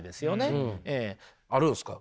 あるんすか？